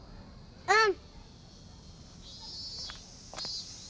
うん。